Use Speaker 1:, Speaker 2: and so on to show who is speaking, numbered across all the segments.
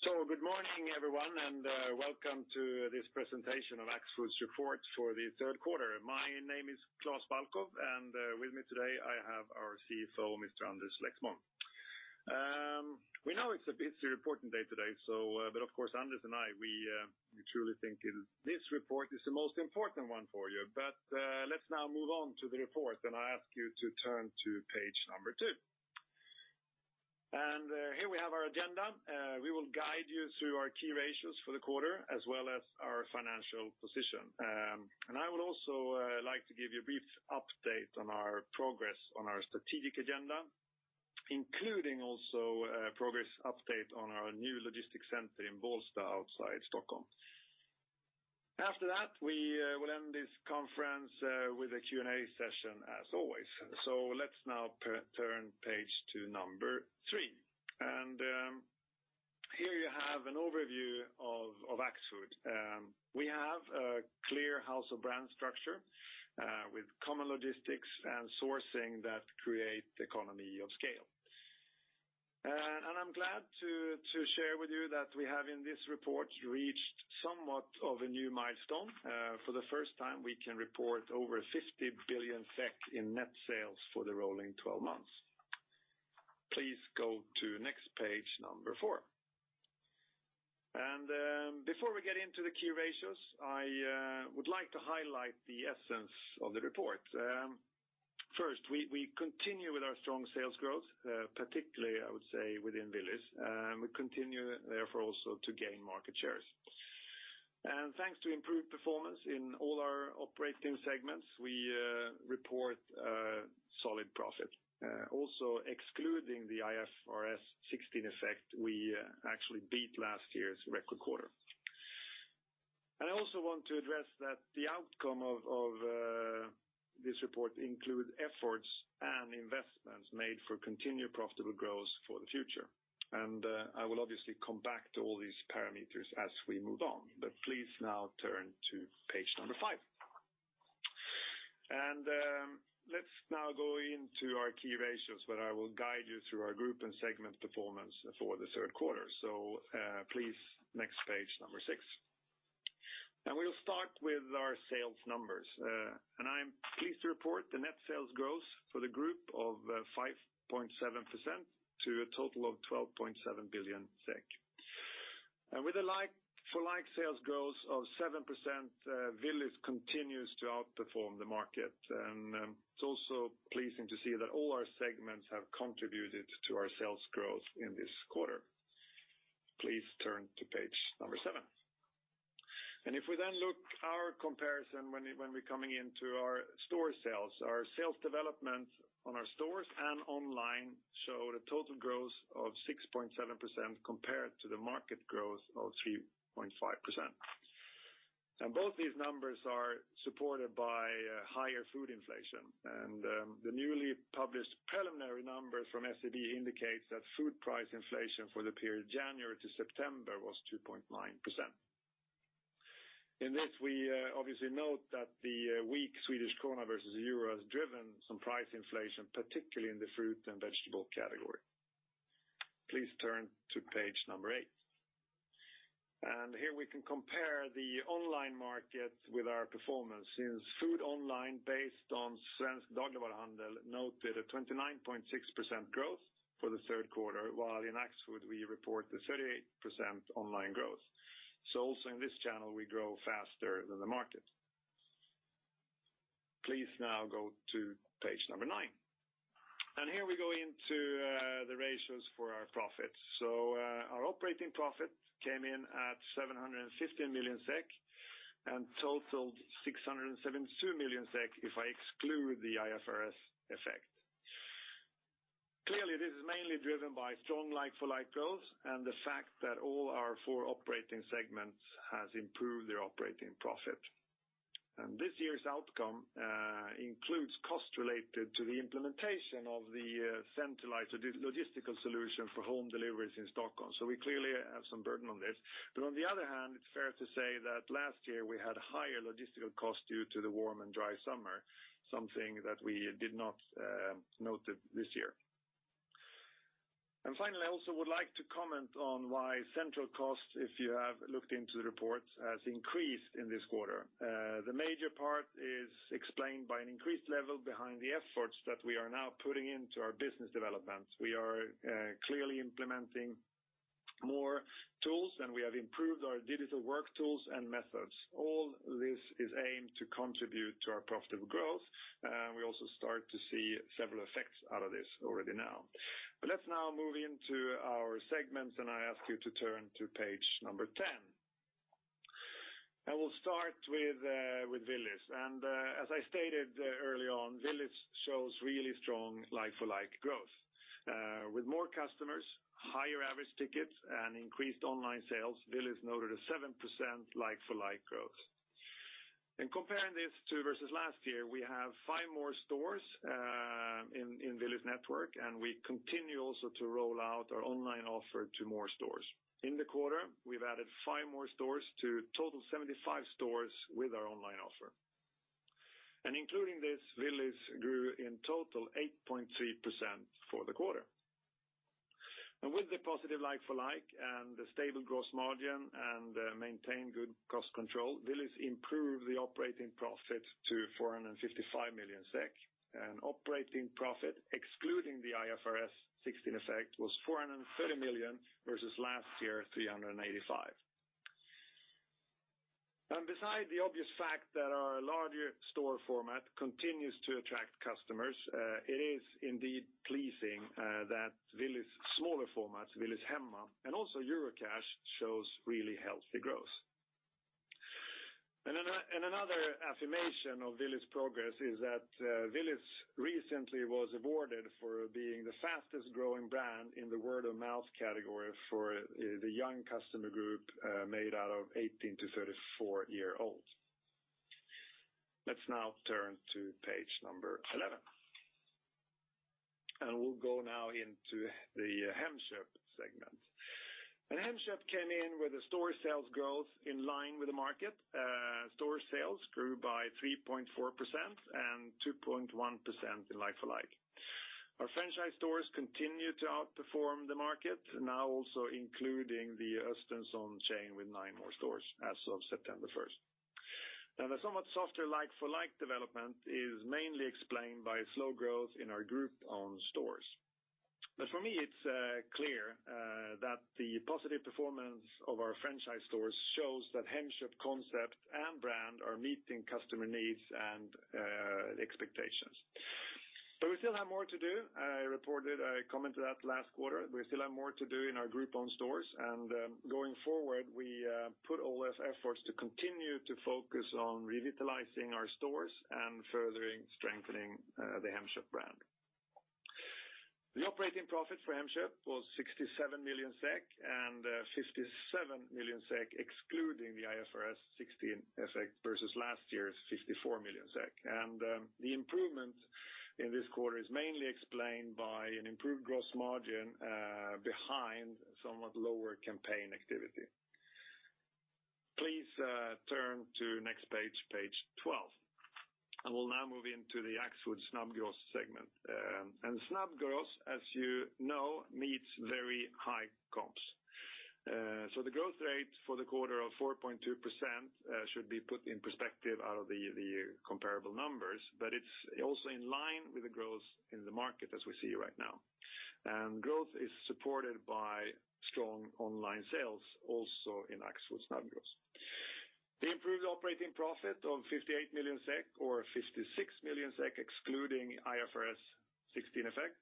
Speaker 1: Good morning, everyone, and welcome to this presentation of Axfood's report for the third quarter. My name is Klas Balkow, and with me today I have our CFO, Mr. Anders Lexmon. We know it's a busy reporting day today, but of course, Anders and I, we truly think this report is the most important one for you. Let's now move on to the report, and I ask you to turn to page number two. Here we have our agenda. We will guide you through our key ratios for the quarter as well as our financial position. I would also like to give you a brief update on our progress on our strategic agenda, including also a progress update on our new logistics center in Bålsta outside Stockholm. After that, we will end this conference with a Q&A session as always. Let's now turn page to number 3. Here you have an overview of Axfood. We have a clear house of brand structure with common logistics and sourcing that create economy of scale. I'm glad to share with you that we have, in this report, reached somewhat of a new milestone. For the first time, we can report over 50 billion SEK in net sales for the rolling 12 months. Please go to next page, number 4. Before we get into the key ratios, I would like to highlight the essence of the report. First, we continue with our strong sales growth, particularly, I would say, within Willys. We continue therefore also to gain market shares. Thanks to improved performance in all our operating segments, we report a solid profit. Also excluding the IFRS 16 effect, we actually beat last year's record quarter. I also want to address that the outcome of this report includes efforts and investments made for continued profitable growth for the future. I will obviously come back to all these parameters as we move on, but please now turn to page number 5. Let's now go into our key ratios where I will guide you through our group and segment performance for the third quarter. Please next page, number 6. We'll start with our sales numbers. I'm pleased to report the net sales growth for the group of 5.7% to a total of 12.7 billion SEK. With a like-for-like sales growth of 7%, Willys continues to outperform the market. It's also pleasing to see that all our segments have contributed to our sales growth in this quarter. Please turn to page number 7. If we then look our comparison when we're coming into our store sales, our sales development on our stores and online show a total growth of 6.7% compared to the market growth of 3.5%. Both these numbers are supported by higher food inflation, and the newly published preliminary numbers from SCB indicates that food price inflation for the period January to September was 2.9%. In this, we obviously note that the weak Swedish krona versus EUR has driven some price inflation, particularly in the fruit and vegetable category. Please turn to page number 8. Here we can compare the online market with our performance since food online based on Svensk Dagligvaruhandel noted a 29.6% growth for the third quarter, while in Axfood we report the 38% online growth. Also in this channel, we grow faster than the market. Please now go to page number 9. Here we go into the ratios for our profits. Our operating profit came in at 715 million SEK and totaled 672 million SEK if I exclude the IFRS effect. Clearly, this is mainly driven by strong like-for-like growth and the fact that all our four operating segments has improved their operating profit. This year's outcome includes costs related to the implementation of the centralized logistical solution for home deliveries in Stockholm. We clearly have some burden on this, but on the other hand, it's fair to say that last year we had higher logistical costs due to the warm and dry summer, something that we did not note this year. Finally, I also would like to comment on why central costs, if you have looked into the report, has increased in this quarter. The major part is explained by an increased level behind the efforts that we are now putting into our business development. We are clearly implementing more tools and we have improved our digital work tools and methods. All this is aimed to contribute to our profitable growth. We also start to see several effects out of this already now. Let's now move into our segments, and I ask you to turn to page 10. We'll start with Willys. As I stated early on, Willys shows really strong like-for-like growth. With more customers, higher average tickets, and increased online sales, Willys noted a 7% like-for-like growth. In comparing this to versus last year, we have five more stores in Willys network, and we continue also to roll out our online offer to more stores. In the quarter, we've added five more stores to total 75 stores with our online offer. Including this, Willys grew in total 8.3% for the quarter. With the positive like-for-like and the stable gross margin and maintained good cost control, Willys improved the operating profit to 455 million SEK. Operating profit, excluding the IFRS 16 effect, was 430 million versus last year, 385 million. Beside the obvious fact that our larger store format continues to attract customers, it is indeed pleasing that Willys' smaller formats, Willys Hemma and also Eurocash, shows really healthy growth. Another affirmation of Willys' progress is that Willys recently was awarded for being the fastest growing brand in the word-of-mouth category for the young customer group made out of 18 to 34-year-olds. Let's now turn to page number 11. We'll go now into the Hemköp segment. Hemköp came in with the store sales growth in line with the market. Store sales grew by 3.4% and 2.1% in like-for-like. Our franchise stores continue to outperform the market, now also including the Östenssons chain with nine more stores as of September 1st. The somewhat softer like-for-like development is mainly explained by slow growth in our group-owned stores. For me, it's clear that the positive performance of our franchise stores shows that Hemköp concept and brand are meeting customer needs and expectations. We still have more to do. I commented that last quarter, we still have more to do in our group-owned stores and going forward, we put all efforts to continue to focus on revitalizing our stores and furthering strengthening the Hemköp brand. The operating profit for Hemköp was 67 million SEK and 57 million SEK excluding the IFRS 16 effect, versus last year's 54 million SEK. The improvement in this quarter is mainly explained by an improved gross margin behind somewhat lower campaign activity. Please turn to next page 12, and we'll now move into the Axfood's Snabbgross segment. Snabbgross, as you know, meets very high comps. The growth rate for the quarter of 4.2% should be put in perspective out of the comparable numbers. It's also in line with the growth in the market as we see right now. Growth is supported by strong online sales also in Axfood Snabbgross. The improved operating profit of 58 million SEK or 56 million SEK excluding IFRS 16 effect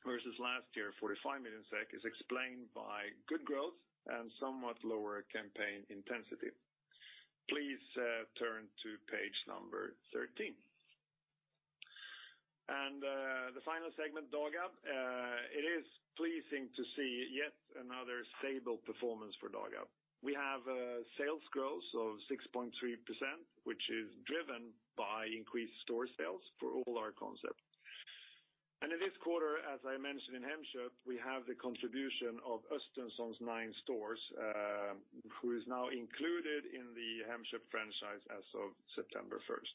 Speaker 1: versus last year, 45 million SEK, is explained by good growth and somewhat lower campaign intensity. Please turn to page number 13. The final segment, Dagab. It is pleasing to see yet another stable performance for Dagab. We have a sales growth of 6.3%, which is driven by increased store sales for all our concepts. In this quarter, as I mentioned in Hemköp, we have the contribution of Östensson's nine stores, who is now included in the Hemköp franchise as of September 1st.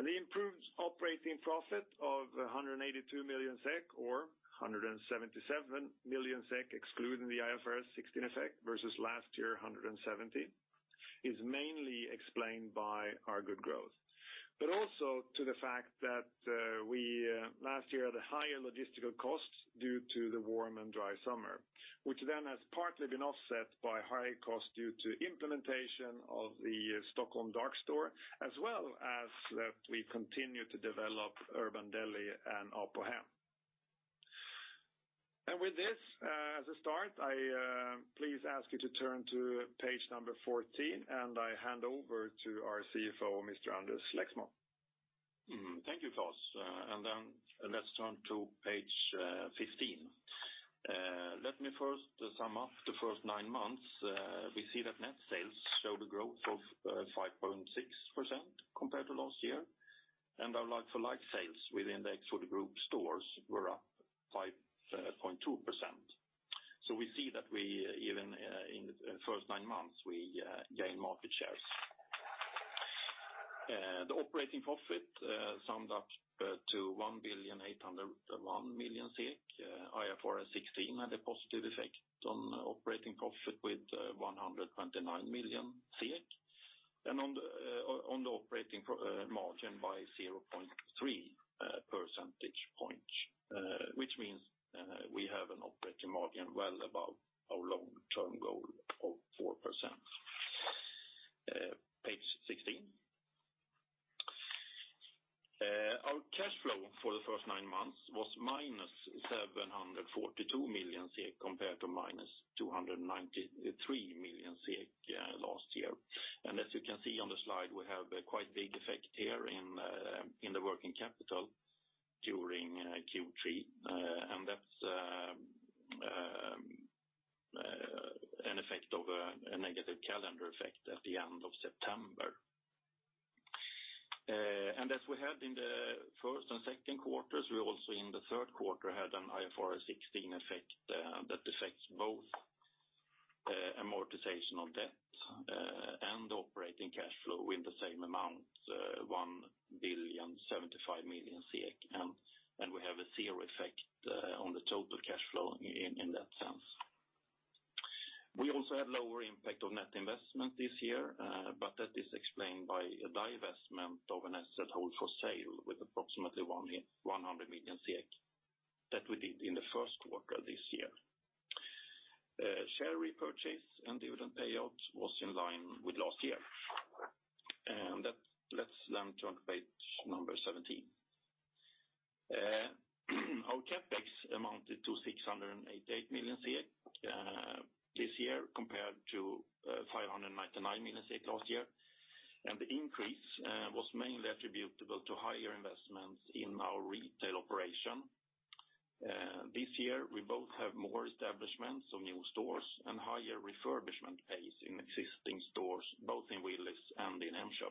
Speaker 1: The improved operating profit of 182 million SEK or 177 million SEK excluding the IFRS 16 effect versus last year, 170, is mainly explained by our good growth. Also to the fact that we, last year, had a higher logistical cost due to the warm and dry summer, which then has partly been offset by high cost due to implementation of the Stockholm dark store as well as that we continue to develop Urban Deli and Apohem. With this, as a start, I please ask you to turn to page number 14 and I hand over to our CFO, Mr. Anders Lexmon.
Speaker 2: Thank you, Klas. Let's turn to page 15. Let me first sum up the first nine months. We see that net sales show the growth of 5.6% compared to last year, and our like-for-like sales within the Axfood Group stores were up 5.2%. We see that even in the first nine months, we gain market shares. The operating profit summed up to 1,801,000,000 SEK. IFRS 16 had a positive effect on operating profit with 129,000,000 SEK. On the operating margin by 0.3 percentage points, which means we have an operating margin well above our long-term goal of 4%. Page 16. Our cash flow for the first nine months was minus 742 million compared to minus 293 million last year. As you can see on the slide, we have quite big effect here in the working capital during Q3. That's an effect of a negative calendar effect at the end of September. We had in the first and second quarters, we also in the third quarter had an IFRS 16 effect that affects both amortization of debt and operating cash flow with the same amount, 1,075,000,000 SEK. We have a zero effect on the total cash flow in that sense. We also had lower impact on net investment this year. That is explained by a divestment of an asset hold for sale with approximately 100,000,000 SEK that we did in the first quarter this year. Share repurchase and dividend payouts was in line with last year. Let's turn to page number 17. Our CapEx amounted to 688,000,000 SEK this year compared to 599,000,000 SEK last year. The increase was mainly attributable to higher investments in our retail operation. This year, we both have more establishments of new stores and higher refurbishment pace in existing stores, both in Willys and in Hemköp.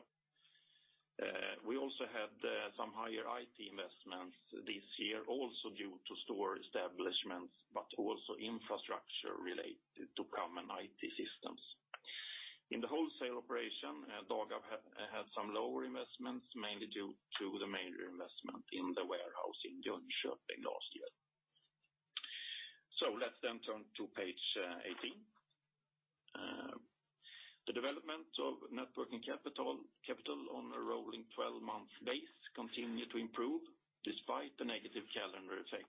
Speaker 2: We also had some higher IT investments this year, also due to store establishments, but also infrastructure related to common IT systems. In the wholesale operation, Dagab had some lower investments, mainly due to the major investment in the warehouse in Jönköping last year. Let's then turn to page 18. The development of net working capital on a rolling 12-month base continued to improve despite the negative calendar effect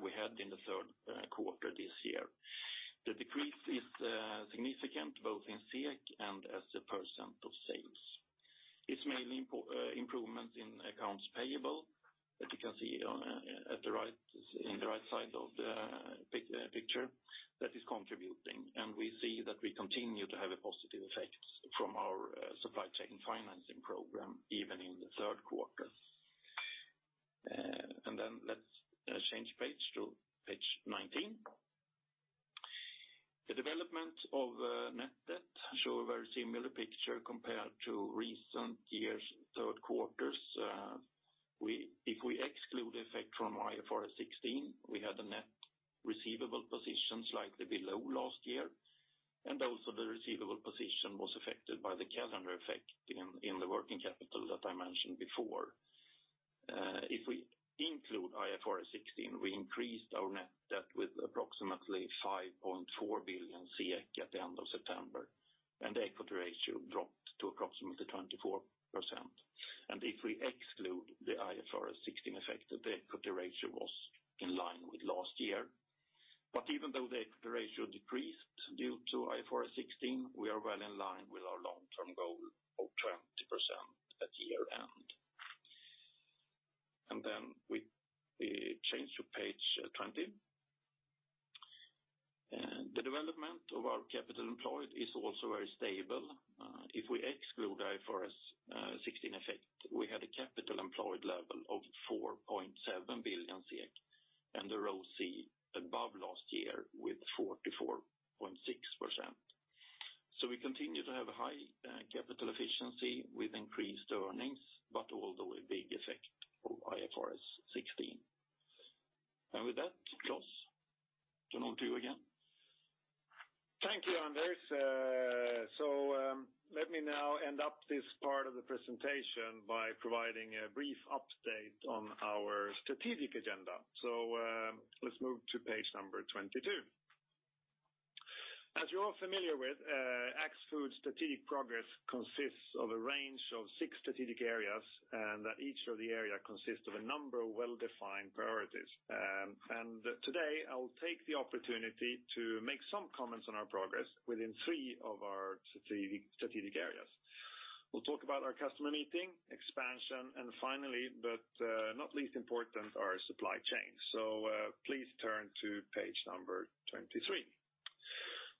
Speaker 2: we had in the third quarter this year. The decrease is significant both in SEK and as a % of sales. It's mainly improvements in accounts payable that you can see in the right side of the picture that is contributing. We see that we continue to have a positive effect from our supply chain financing program, even in the third quarter. Let's change page to page 19. The development of net debt show a very similar picture compared to recent years' third quarters. If we exclude the effect from IFRS 16, we had a net receivable position slightly below last year. Also, the receivable position was affected by the calendar effect in the working capital that I mentioned before. If we include IFRS 16, we increased our net debt with approximately 5.4 billion at the end of September. The equity ratio dropped to approximately 24%. If we exclude the IFRS 16 effect, the equity ratio was in line with last year. Even though the equity ratio decreased due to IFRS 16, we are well in line with our long-term goal of 20% at year-end. We change to page 20. The development of our capital employed is also very stable. If we exclude IFRS 16 effect, we had a capital employed level of 4.7 billion SEK and a ROCE above last year with 44.6%. We continue to have high capital efficiency with increased earnings, but with a big effect of IFRS 16. With that, Klas, turn on to you again.
Speaker 1: Thank you, Anders. Let me now end up this part of the presentation by providing a brief update on our strategic agenda. Let's move to page number 22. As you're all familiar with, Axfood's strategic progress consists of a range of six strategic areas, and that each of the area consists of a number of well-defined priorities. Today, I'll take the opportunity to make some comments on our progress within three of our strategic areas. We'll talk about our customer meeting, expansion, and finally, but not least important, our supply chain. Please turn to page number 23.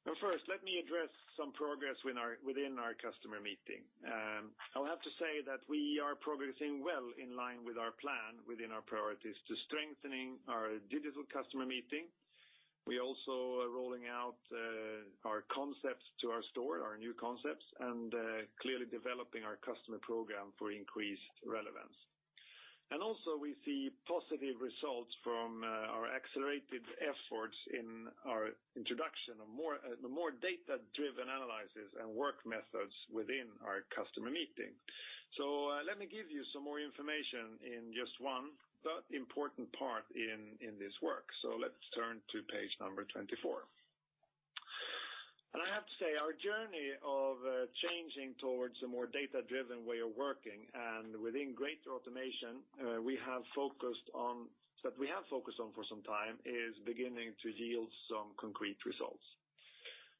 Speaker 1: Now first, let me address some progress within our customer meeting. I'll have to say that we are progressing well in line with our plan within our priorities to strengthening our digital customer meeting. We also are rolling out our concepts to our store, our new concepts, and clearly developing our customer program for increased relevance. We see positive results from our accelerated efforts in our introduction of more data-driven analysis and work methods within our customer meeting. Let me give you some more information in just one but important part in this work. Let's turn to page number 24. I have to say, our journey of changing towards a more data-driven way of working and within greater automation that we have focused on for some time is beginning to yield some concrete results.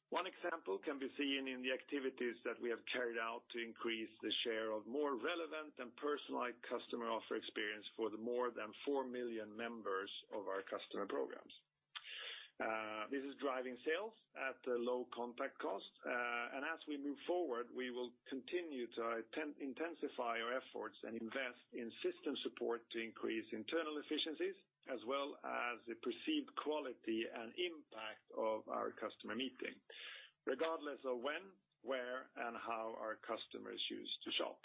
Speaker 1: One example can be seen in the activities that we have carried out to increase the share of more relevant and personalized customer offer experience for the more than four million members of our customer programs. This is driving sales at a low contact cost. As we move forward, we will continue to intensify our efforts and invest in system support to increase internal efficiencies, as well as the perceived quality and impact of our customer meeting. Regardless of when, where, and how our customers choose to shop.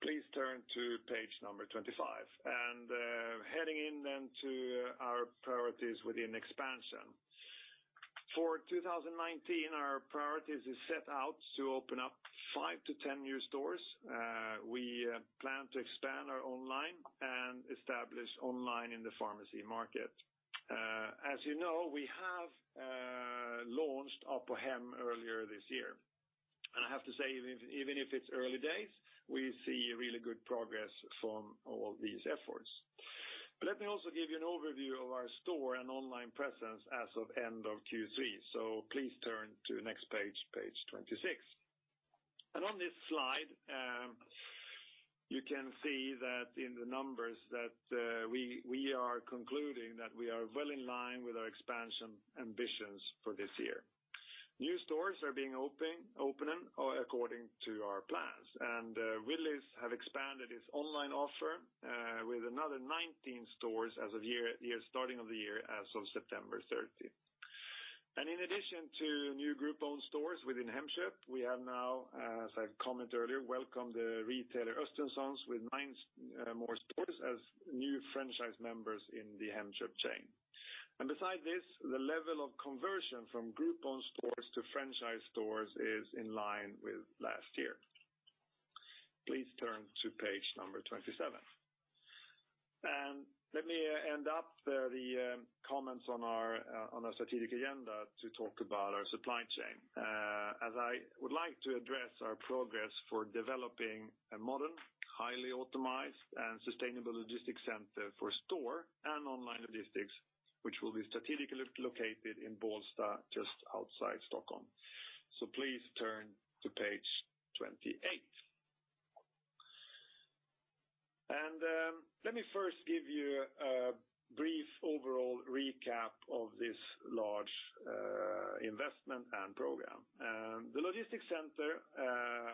Speaker 1: Please turn to page 25, heading in to our priorities within expansion. For 2019, our priorities are set out to open up 5 to 10 new stores. We plan to expand our online and establish online in the pharmacy market. As you know, we have launched Apohem earlier this year. I have to say, even if it's early days, we see really good progress from all these efforts. Let me also give you an overview of our store and online presence as of end of Q3. Please turn to next page 26. On this slide, you can see that in the numbers that we are concluding that we are well in line with our expansion ambitions for this year. New stores are being opened according to our plans, and Willys have expanded its online offer with another 19 stores as of starting of the year as of September 30th. In addition to new group-owned stores within Hemköp, we have now, as I commented earlier, welcomed the retailer Östenssons with nine more stores as new franchise members in the Hemköp chain. Besides this, the level of conversion from group-owned stores to franchise stores is in line with last year. Please turn to page number 27. Let me end up the comments on our strategic agenda to talk about our supply chain. As I would like to address our progress for developing a modern, highly automated and sustainable logistics center for store and online logistics, which will be strategically located in Bålsta, just outside Stockholm. Please turn to page 28. Let me first give you a brief overall recap of this large investment and program. The logistics center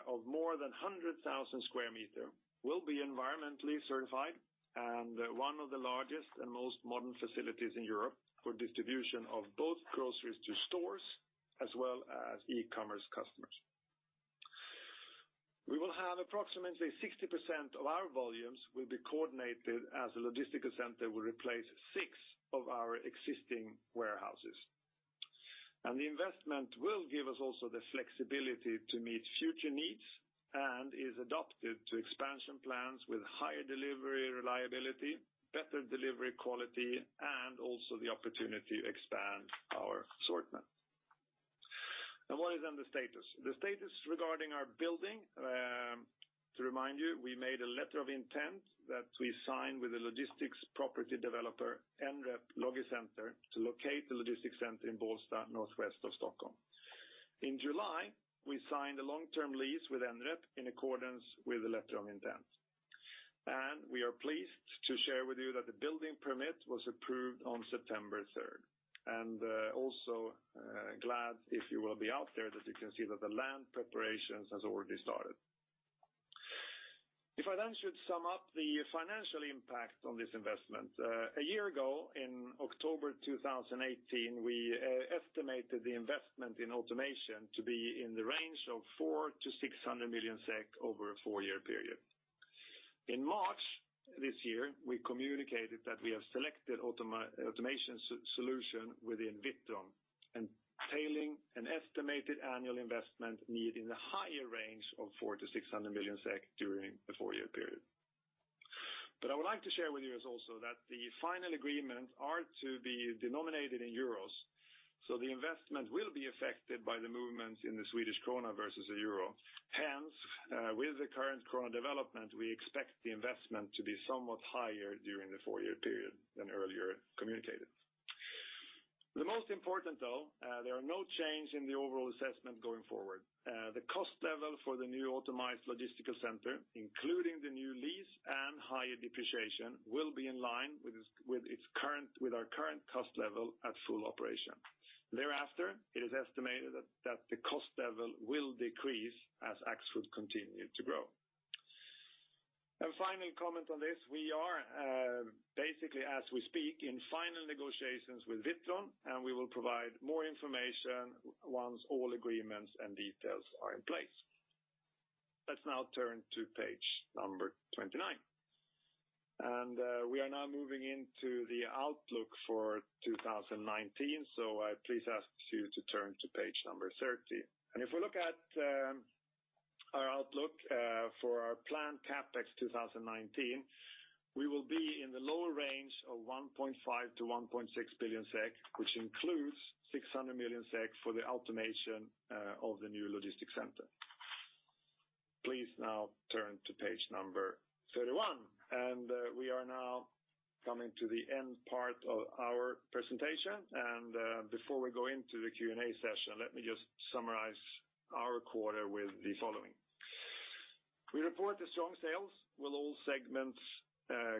Speaker 1: of more than 100,000 square meters will be environmentally certified and one of the largest and most modern facilities in Europe for distribution of both groceries to stores as well as e-commerce customers. We will have approximately 60% of our volumes will be coordinated as a logistics center will replace six of our existing warehouses. The investment will give us also the flexibility to meet future needs and is adapted to expansion plans with higher delivery reliability, better delivery quality, and also the opportunity to expand our assortment. What is then the status? The status regarding our building, to remind you, we made a letter of intent that we signed with the logistics property developer NREP Logicenters to locate the logistics center in Bålsta, northwest of Stockholm. In July, we signed a long-term lease with NREP in accordance with the letter of intent. We are pleased to share with you that the building permit was approved on September 3rd. Also glad if you will be out there that you can see that the land preparations has already started. If I then should sum up the financial impact on this investment. A year ago, in October 2018, we estimated the investment in automation to be in the range of four million to 600 million SEK over a four-year period. In March this year, we communicated that we have selected automation solution within Witron, entailing an estimated annual investment need in the higher range of 400 million-600 million SEK during the 4-year period. I would like to share with you is also that the final agreement are to be denominated in EUR, so the investment will be affected by the movement in the Swedish krona versus the EUR. With the current krona development, we expect the investment to be somewhat higher during the 4-year period than earlier communicated. The most important though, there are no change in the overall assessment going forward. The cost level for the new automized logistics center, including the new lease and higher depreciation, will be in line with our current cost level at full operation. It is estimated that the cost level will decrease as Axfood continue to grow. Final comment on this, we are basically as we speak, in final negotiations with Witron, and we will provide more information once all agreements and details are in place. Let's now turn to page 29. We are now moving into the outlook for 2019. I please ask you to turn to page 30. If we look at our outlook for our planned CapEx 2019, we will be in the lower range of 1.5 billion-1.6 billion SEK, which includes 600 million SEK for the automation of the new logistics center. Please now turn to page 31, and we are now coming to the end part of our presentation. Before we go into the Q&A session, let me just summarize our quarter with the following. We report the strong sales with all segments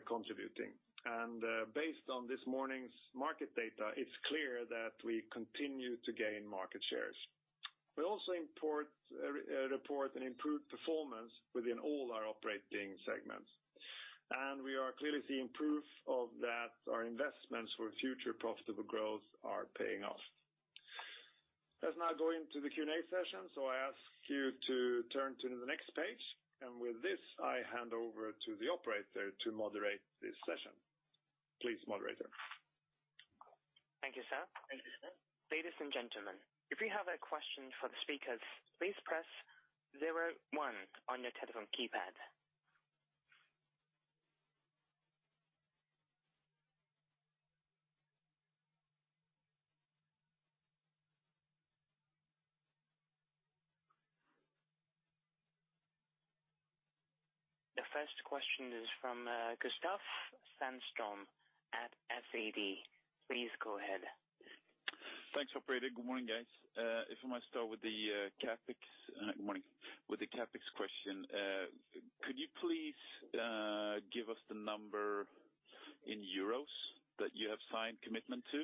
Speaker 1: contributing. Based on this morning's market data, it's clear that we continue to gain market shares. We also report an improved performance within all our operating segments. We are clearly seeing proof of that our investments for future profitable growth are paying off. Let's now go into the Q&A session, so I ask you to turn to the next page. With this, I hand over to the operator to moderate this session. Please, moderator.
Speaker 3: Thank you, sir. Ladies and gentlemen, if you have a question for the speakers, please press zero one on your telephone keypad. The first question is from Gustaf Sundström at SEB. Please go ahead.
Speaker 4: Thanks, operator. Good morning, guys. If I might start with the CapEx question. Could you please give us the number in euros that you have signed commitment to?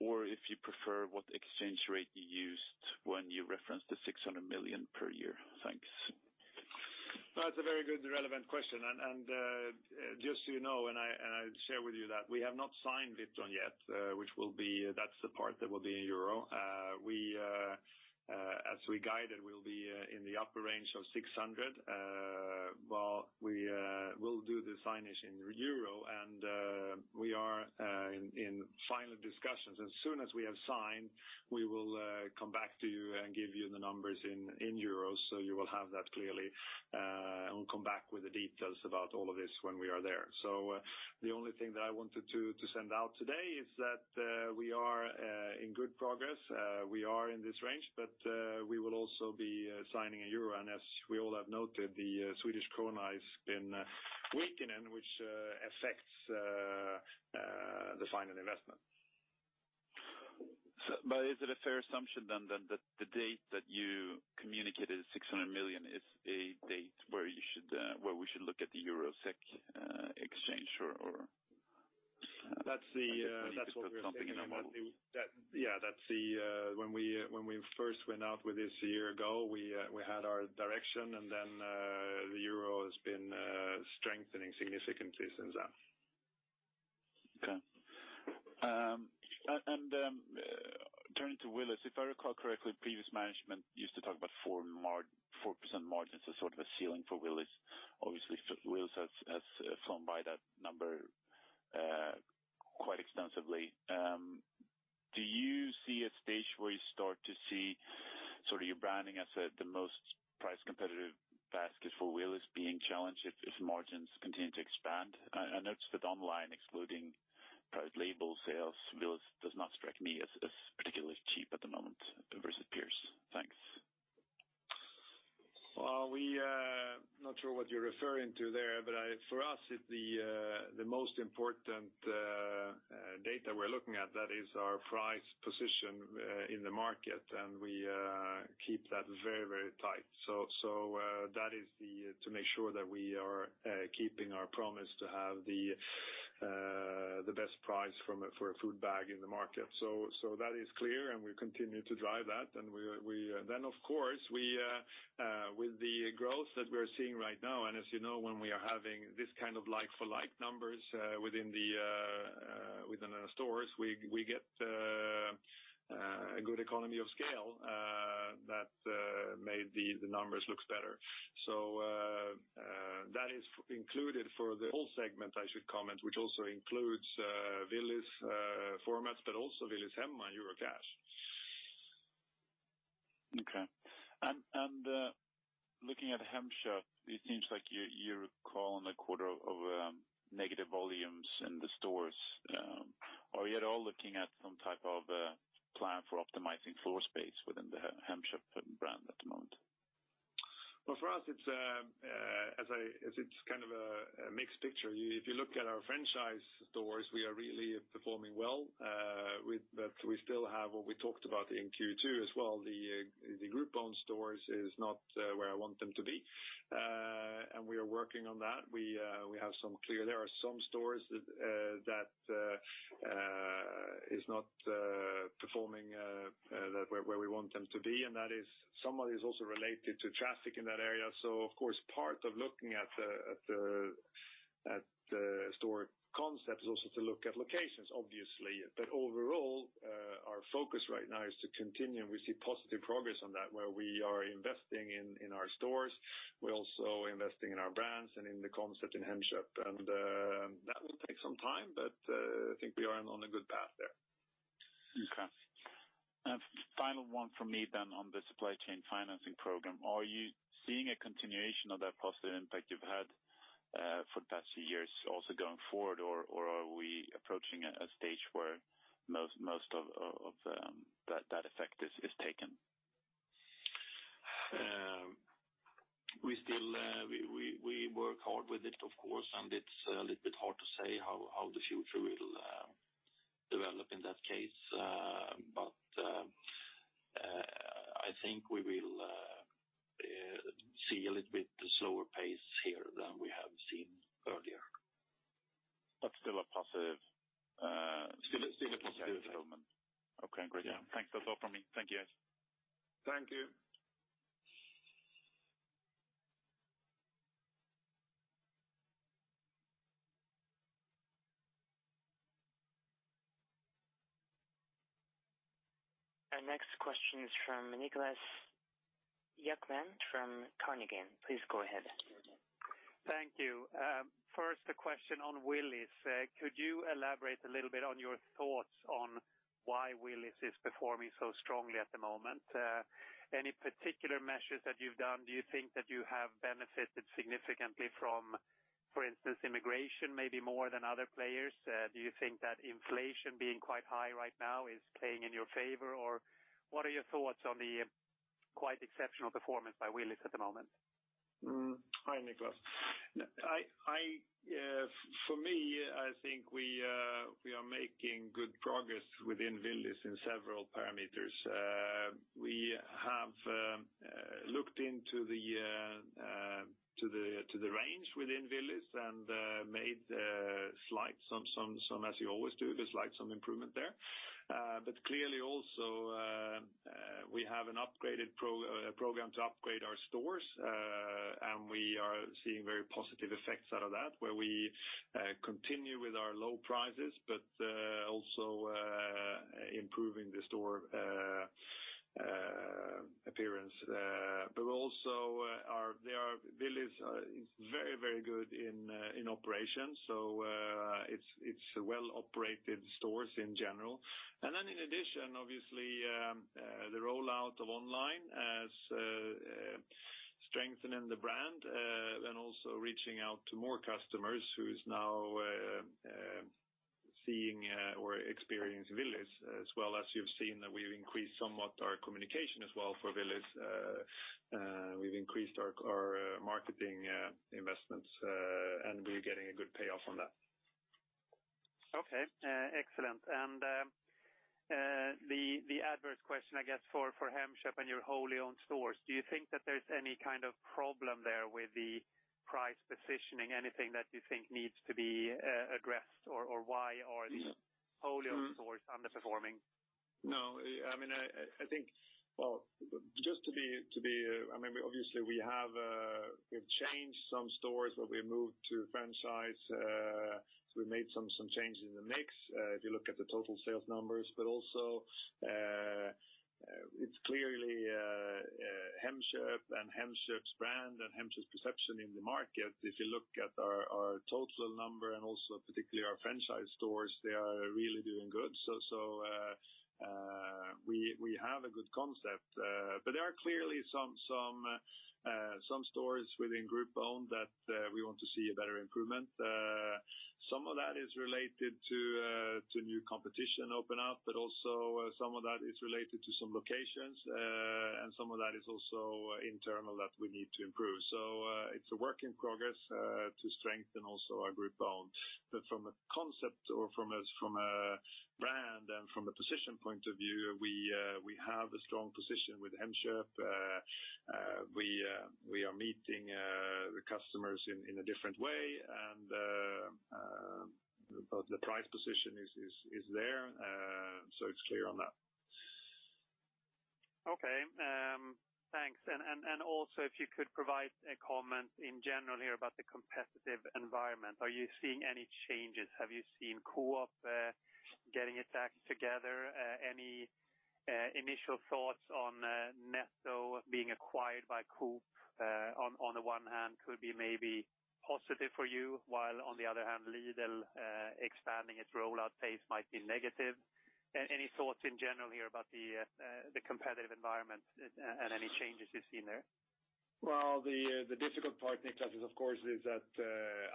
Speaker 4: Or if you prefer, what exchange rate you used when you referenced the 600 million per year. Thanks.
Speaker 1: That's a very good relevant question. Just so you know, and I'll share with you that we have not signed Witron yet, that's the part that will be in EUR. We'll be in the upper range of 600. We will do the signage in EUR and we are in final discussions. Soon as we have signed, we will come back to you and give you the numbers in EUR. You will have that clearly. We'll come back with the details about all of this when we are there. The only thing that I wanted to send out today is that we are in good progress. We are in this range. We will also be signing in EUR. As we all have noted, the SEK has been weakening, which affects the final investment.
Speaker 4: Is it a fair assumption then that the date that you communicated 600 million is a date where we should look at the EUR-SEK exchange rate or?
Speaker 1: That's the-
Speaker 4: Just put something in our model.
Speaker 1: Yeah. When we first went out with this a year ago, we had our direction and then the euro has been strengthening significantly since then.
Speaker 4: Okay. Turning to Willys, if I recall correctly, previous management used to talk about 4% margin as a sort of a ceiling for Willys. Obviously, Willys has flown by that number quite extensively. Do you see a stage where you start to see your branding as the most price competitive basket for Willys being challenged if margins continue to expand? I noticed that online excluding private label sales, Willys does not strike me as particularly cheap at the moment versus peers. Thanks.
Speaker 1: Well, not sure what you're referring to there, but for us, the most important data we're looking at that is our price position in the market, and we keep that very tight. That is to make sure that we are keeping our promise to have the best price for a food bag in the market. That is clear, and we continue to drive that. Of course, with the growth that we're seeing right now, and as you know, when we are having this kind of like-for-like numbers within our stores, we get a good economy of scale that made the numbers look better. That is included for the whole segment I should comment, which also includes Willys' formats, but also Willys Hemma and Eurocash.
Speaker 4: Okay. Looking at Hemköp, it seems like you're calling a quarter of negative volumes in the stores. Are you at all looking at some type of plan for optimizing floor space within the Hemköp brand at the moment?
Speaker 1: Well, for us, it's kind of a mixed picture. If you look at our franchise stores, we are really performing well, but we still have what we talked about in Q2 as well. The group-owned stores is not where I want them to be. We are working on that. There are some stores that is not performing where we want them to be, and that is somebody who's also related to traffic in that area. Of course, part of looking at the store concept is also to look at locations obviously. Overall, our focus right now is to continue, and we see positive progress on that, where we are investing in our stores. We're also investing in our brands and in the concept in Hemköp, and that will take some time, but I think we are on a good path there.
Speaker 4: Okay. Final one from me then on the supply chain financing program. Are you seeing a continuation of that positive impact you've had for the past few years also going forward, or are we approaching a stage where most of that effect is taken?
Speaker 1: We work hard with it of course, and it's a little bit hard to say how the future will develop in that case. I think we will see a little bit slower pace here than we have.
Speaker 4: But still a positive-
Speaker 1: Still a positive.
Speaker 4: development. Okay, great.
Speaker 1: Yeah.
Speaker 4: Thanks. That's all from me. Thank you, guys.
Speaker 1: Thank you.
Speaker 3: Our next question is from Niklas Ekman from Carnegie. Please go ahead.
Speaker 5: Thank you. First, a question on Willys. Could you elaborate a little bit on your thoughts on why Willys is performing so strongly at the moment? Any particular measures that you've done, do you think that you have benefited significantly from, for instance, immigration maybe more than other players? Do you think that inflation being quite high right now is playing in your favor? Or what are your thoughts on the quite exceptional performance by Willys at the moment?
Speaker 1: Hi, Niklas. For me, I think we are making good progress within Willys in several parameters. We have looked into the range within Willys and made some slight, as you always do, some improvement there. Clearly also, we have an upgraded program to upgrade our stores, and we are seeing very positive effects out of that, where we continue with our low prices, but also improving the store appearance. Also Willys is very good in operations. It's well-operated stores in general. In addition, obviously, the rollout of online as strengthening the brand, then also reaching out to more customers who is now seeing or experiencing Willys as well as you've seen that we've increased somewhat our communication as well for Willys. We've increased our marketing investments, and we're getting a good payoff on that.
Speaker 5: Okay, excellent. The adverse question, I guess, for Hemköp and your wholly owned stores. Do you think that there's any kind of problem there with the price positioning? Anything that you think needs to be addressed, or why are these wholly owned stores underperforming?
Speaker 1: No. Obviously we've changed some stores where we moved to franchise. We made some changes in the mix, if you look at the total sales numbers. Also, it's clearly Hemköp and Hemköp's brand and Hemköp's perception in the market. If you look at our total number and also particularly our franchise stores, they are really doing good. We have a good concept. There are clearly some stores within group owned that we want to see a better improvement. Some of that is related to new competition open up, but also some of that is related to some locations, and some of that is also internal that we need to improve. It's a work in progress to strengthen also our group owned. From a concept or from a brand and from a position point of view, we have a strong position with Hemköp. We are meeting the customers in a different way, but the price position is there. It's clear on that.
Speaker 5: Okay. Thanks. Also if you could provide a comment in general here about the competitive environment. Are you seeing any changes? Have you seen Coop getting its act together? Any initial thoughts on Netto being acquired by Coop on the one hand could be maybe positive for you, while on the other hand, Lidl expanding its rollout pace might be negative. Any thoughts in general here about the competitive environment and any changes you've seen there?
Speaker 1: Well, the difficult part, Niklas, of course, is that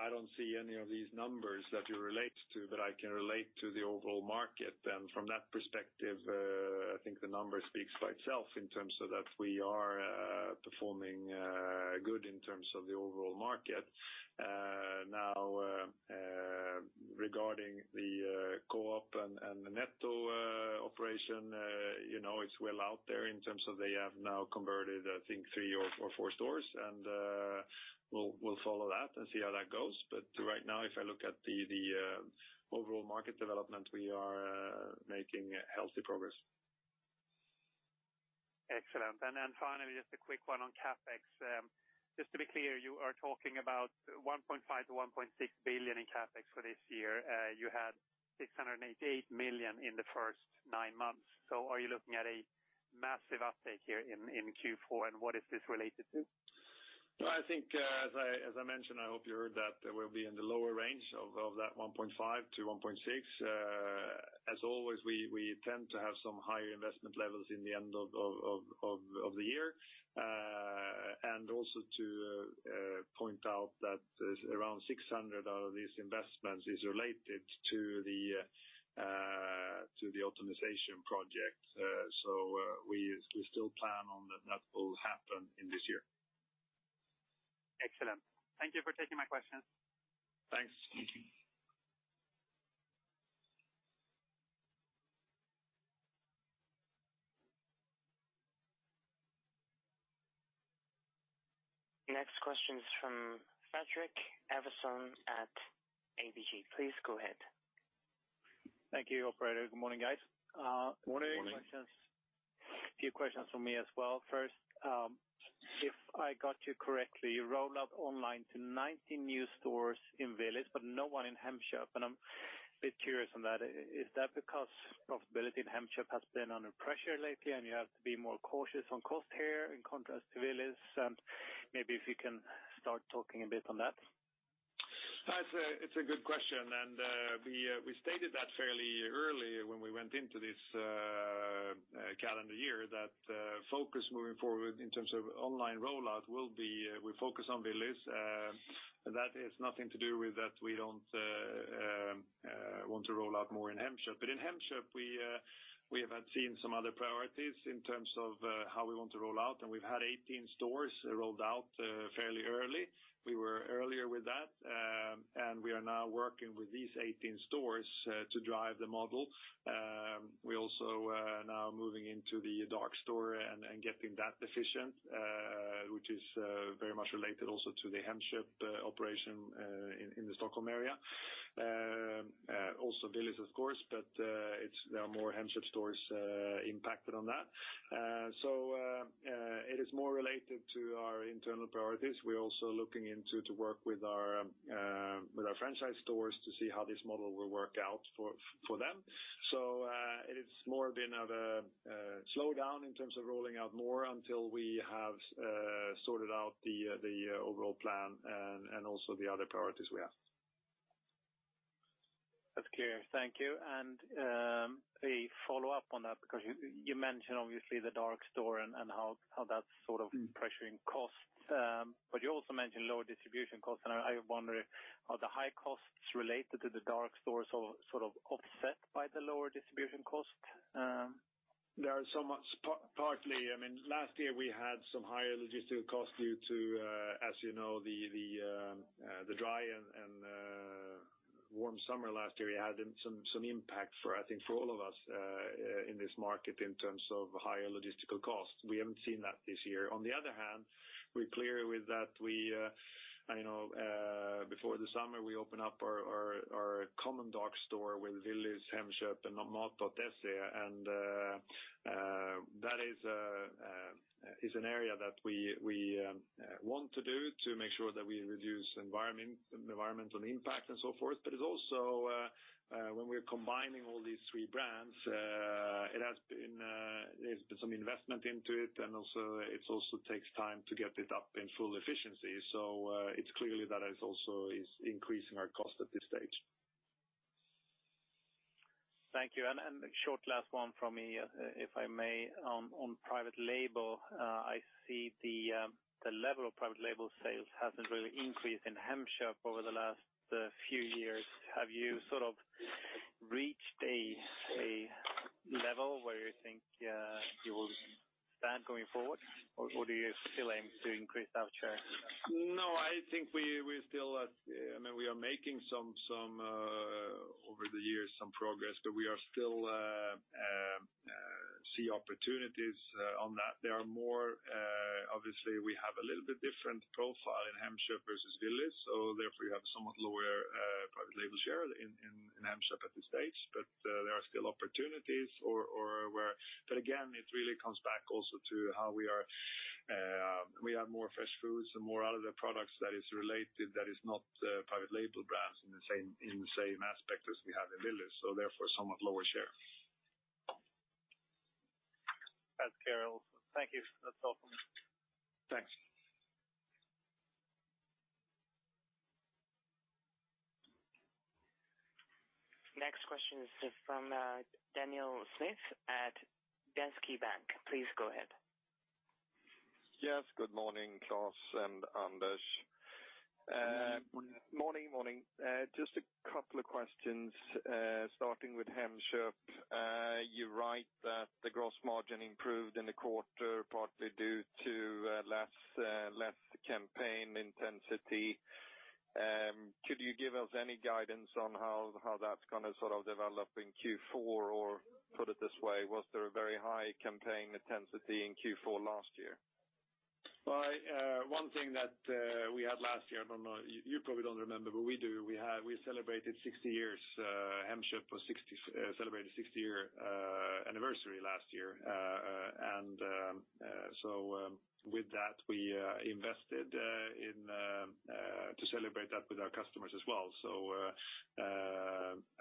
Speaker 1: I don't see any of these numbers that you relate to, but I can relate to the overall market. From that perspective, I think the number speaks by itself in terms of that we are performing good in terms of the overall market. Regarding the Coop and the Netto operation, it's well out there in terms of they have now converted, I think, three or four stores, and we'll follow that and see how that goes. Right now, if I look at the overall market development, we are making healthy progress.
Speaker 5: Excellent. Finally, just a quick one on CapEx. Just to be clear, you are talking about 1.5 billion-1.6 billion in CapEx for this year. You had 688 million in the first nine months. Are you looking at a massive uptake here in Q4? What is this related to?
Speaker 1: No, I think, as I mentioned, I hope you heard that we'll be in the lower range of that 1.5 to 1.6. As always, we tend to have some higher investment levels in the end of the year. Also to point out that around 600 out of these investments is related to the optimization project. We still plan on that will happen in this year.
Speaker 5: Excellent. Thank you for taking my questions.
Speaker 1: Thanks.
Speaker 3: Thank you. Next question is from Fredrik Ivarsson at ABG. Please go ahead.
Speaker 6: Thank you, operator. Good morning, guys.
Speaker 1: Morning.
Speaker 6: Few questions from me as well. First, if I got you correctly, you rolled out online to 90 new stores in Willys but no one in Hemköp. I'm a bit curious on that. Is that because profitability in Hemköp has been under pressure lately, you have to be more cautious on cost here in contrast to Willys? Maybe if you can start talking a bit on that.
Speaker 1: It's a good question. We stated that fairly early when we went into this calendar year that focus moving forward in terms of online rollout will be. We focus on Willys. That is nothing to do with that we don't want to roll out more in Hemköp. In Hemköp, we have seen some other priorities in terms of how we want to roll out. We've had 18 stores rolled out fairly early. We were earlier with that. We are now working with these 18 stores to drive the model. We also are now moving into the dark store and getting that efficient, which is very much related also to the Hemköp operation in the Stockholm area. Also Willys, of course. There are more Hemköp stores impacted on that. It is more related to our internal priorities. We're also looking into to work with our franchise stores to see how this model will work out for them. It is more been of a slowdown in terms of rolling out more until we have sorted out the overall plan and also the other priorities we have.
Speaker 6: That's clear. Thank you. A follow-up on that because you mentioned obviously the dark store and how that's sort of pressuring costs. You also mentioned lower distribution costs, and I wonder if, are the high costs related to the dark stores sort of offset by the lower distribution cost?
Speaker 1: There are so much partly. Last year, we had some higher logistical costs due to, as you know, the dry and warm summer last year. It had some impact, I think, for all of us in this market in terms of higher logistical costs. We haven't seen that this year. On the other hand, we're clear with that before the summer, we open up our common dark store with Willys, Hemköp and Mat.se, and that is an area that we want to do to make sure that we reduce environmental impact and so forth. It's also when we're combining all these three brands, there's been some investment into it, and it also takes time to get it up in full efficiency. It's clear that it also is increasing our cost at this stage.
Speaker 6: Thank you. Short last one from me, if I may. On private label, I see the level of private label sales hasn't really increased in Hemköp over the last few years. Have you sort of reached a level where you think you will stand going forward? Do you still aim to increase that share?
Speaker 1: I think we are making, over the years, some progress, but we still see opportunities on that. We have a little bit different profile in Hemköp versus Willys, therefore, we have somewhat lower private label share in Hemköp at this stage, there are still opportunities. Again, it really comes back also to how we have more fresh foods and more other products that is related that is not private label brands in the same aspect as we have in Willys, therefore, somewhat lower share.
Speaker 6: That's clear also. Thank you. That's all from me.
Speaker 1: Thanks.
Speaker 3: Next question is from Daniel Schmidt at Danske Bank. Please go ahead.
Speaker 7: Yes, good morning, Klas and Anders.
Speaker 1: Morning.
Speaker 7: Morning. Just a couple of questions, starting with Hemköp. You write that the gross margin improved in the quarter, partly due to less campaign intensity. Could you give us any guidance on how that's going to sort of develop in Q4? Put it this way, was there a very high campaign intensity in Q4 last year?
Speaker 1: One thing that we had last year, I don't know, you probably don't remember, but we do. Hemköp celebrated 60-year anniversary last year. With that, we invested to celebrate that with our customers as well.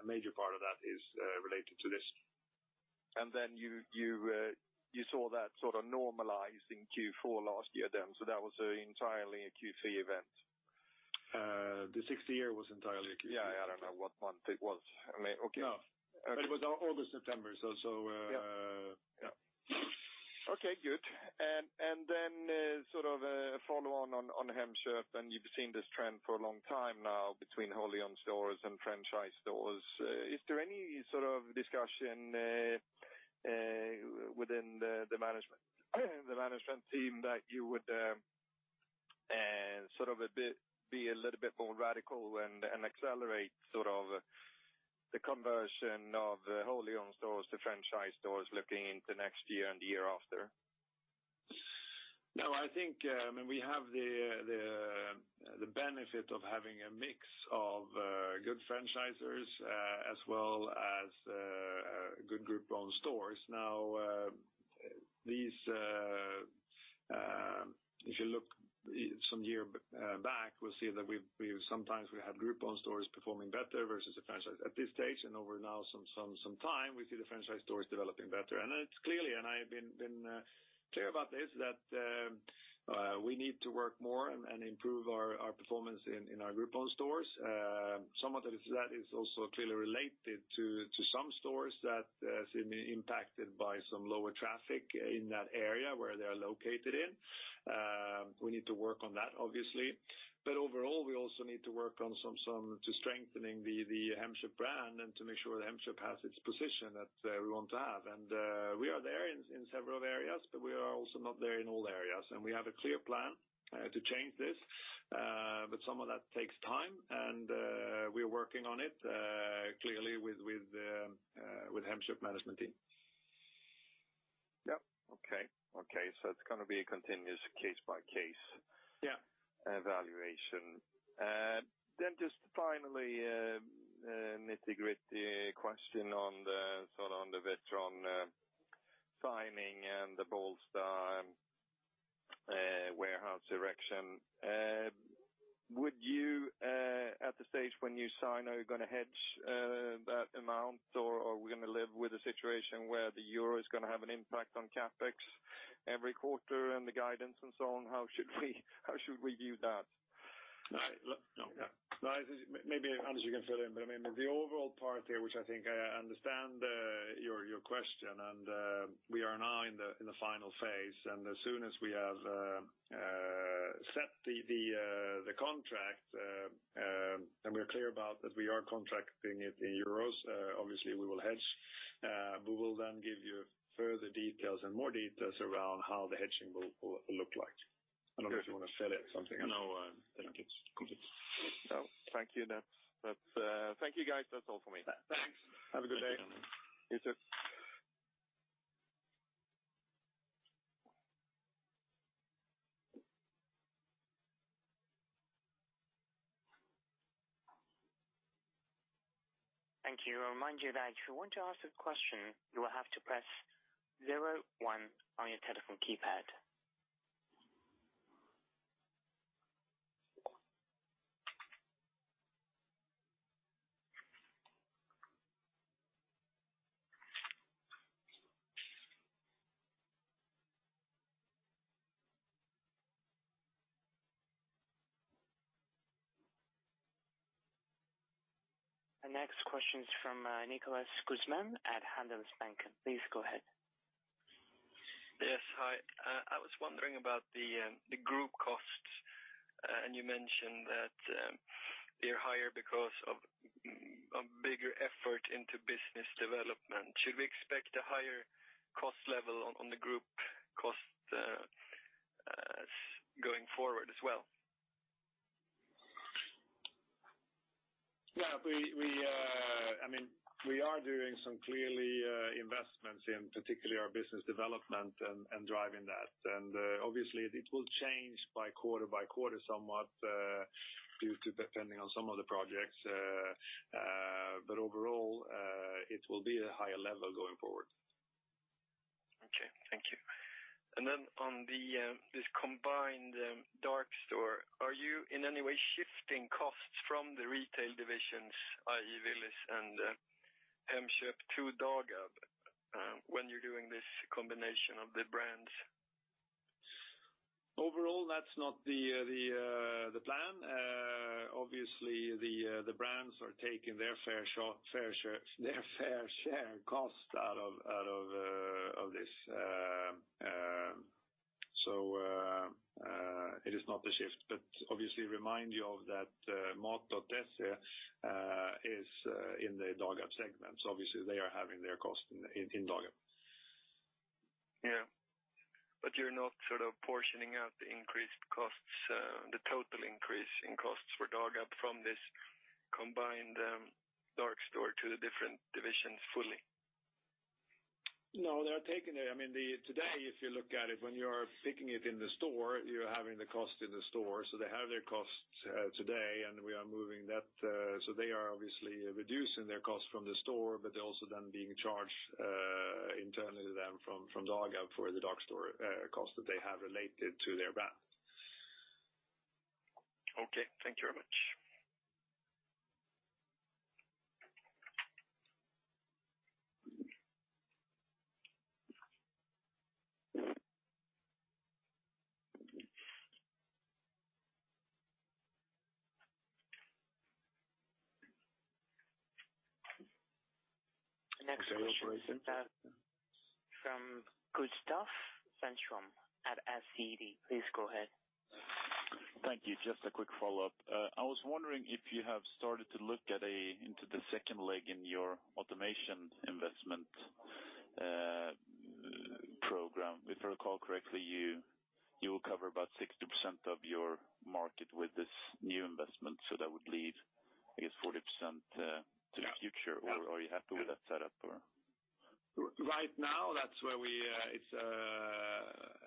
Speaker 1: A major part of that is related to this.
Speaker 7: You saw that sort of normalize in Q4 last year then, so that was an entirely a Q3 event?
Speaker 1: The 60 year was entirely a Q3.
Speaker 7: Yeah, I don't know what month it was. Okay.
Speaker 1: No. It was August, September.
Speaker 7: Yeah. Okay, good. Then sort of a follow-on on Hemköp, and you've seen this trend for a long time now between wholly owned stores and franchise stores. Is there any sort of discussion within the management team that you would be a little bit more radical and accelerate sort of the conversion of wholly owned stores to franchise stores looking into next year and the year after?
Speaker 1: I think we have the benefit of having a mix of good franchisers as well as good group-owned stores. If you look some year back, we'll see that we sometimes have group-owned stores performing better versus the franchise. At this stage and over now some time, we see the franchise stores developing better. It's clear, and I have been clear about this, that we need to work more and improve our performance in our group-owned stores. Some of that is also clearly related to some stores that seem impacted by some lower traffic in that area where they are located in. We need to work on that obviously. Overall, we also need to work on strengthening the Hemköp brand and to make sure that Hemköp has its position that we want to have. We are there in several areas, but we are also not there in all areas. We have a clear plan to change this. Some of that takes time, and we're working on it clearly with Hemköp management team.
Speaker 7: Yep. Okay. It's going to be a continuous case-by-case.
Speaker 1: Yeah
Speaker 7: evaluation. Just finally, nitty-gritty question on the Witron signing and the Bålsta warehouse direction. Would you, at the stage when you sign, are you going to hedge that amount, or are we going to live with a situation where the euro is going to have an impact on CapEx every quarter and the guidance and so on? How should we view that?
Speaker 1: No. Maybe Anders, you can fill in, but the overall part here, which I think I understand your question and we are now in the final phase, and as soon as we have set the contract, and we are clear about that we are contracting it in euros obviously we will hedge. We will then give you further details and more details around how the hedging will look like. I don't know if you want to fill in something.
Speaker 2: No, I don't.
Speaker 1: Okay.
Speaker 7: Thank you then. Thank you, guys. That's all for me.
Speaker 1: Thanks. Have a good day.
Speaker 7: You too.
Speaker 3: Thank you. A reminder that if you want to ask a question, you will have to press zero one on your telephone keypad. The next question is from Nicolas Guzman at Handelsbanken. Please go ahead.
Speaker 8: Yes, hi. I was wondering about the group costs. You mentioned that they're higher because of a bigger effort into business development. Should we expect a higher cost level on the group costs going forward as well?
Speaker 1: Yeah, we are doing some clear investments in particularly our business development and driving that. Obviously, it will change by quarter by quarter somewhat due to depending on some of the projects. Overall, it will be a higher level going forward.
Speaker 8: Okay. Thank you. On this combined dark store, are you in any way shifting costs from the retail divisions, i.e. Willys and Hemköp to Dagab, when you're doing this combination of the brands?
Speaker 1: Overall, that's not the plan. Obviously, the brands are taking their fair share cost out of this. It is not a shift, but obviously remind you of that Mat.se is in the Dagab segment. Obviously they are having their cost in Dagab.
Speaker 8: Yeah. You're not sort of portioning out the increased costs, the total increase in costs for Dagab from this combined dark store to the different divisions fully?
Speaker 1: No, they are taking it. Today, if you look at it, when you are picking it in the store, you're having the cost in the store. They have their costs today, and we are moving that. They are obviously reducing their cost from the store, but they're also then being charged internally then from Dagab for the dark store cost that they have related to their brand.
Speaker 8: Okay. Thank you very much.
Speaker 3: The next question is from Gustaf Sundström at SEB. Please go ahead.
Speaker 4: Thank you. Just a quick follow-up. I was wondering if you have started to look into the second leg in your automation investment program. If I recall correctly, you will cover about 60% of your market with this new investment, that would leave, I guess 40% to the future or are you happy with that setup or?
Speaker 1: Right now, that's where it's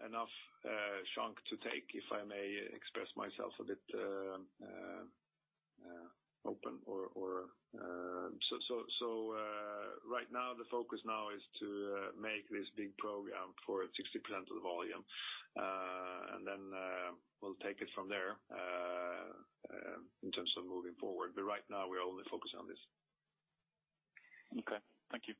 Speaker 1: enough chunk to take, if I may express myself a bit open. Right now, the focus now is to make this big program for 60% of the volume. Then we'll take it from there in terms of moving forward. Right now, we are only focusing on this.
Speaker 4: Okay. Thank you.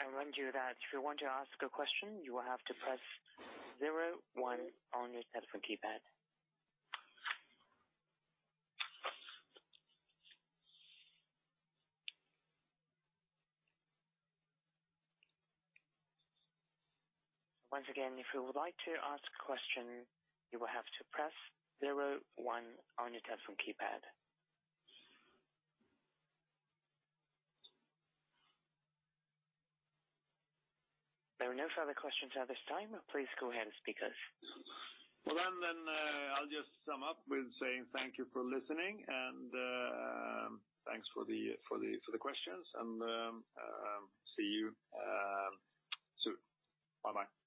Speaker 3: I remind you that if you want to ask a question, you will have to press zero one on your telephone keypad. Once again, if you would like to ask a question, you will have to press zero one on your telephone keypad. There are no further questions at this time. Please go ahead, speakers.
Speaker 1: I'll just sum up with saying thank you for listening, and thanks for the questions, and see you soon. Bye.
Speaker 7: Bye.